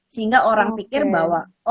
sehingga orang pikir bahwa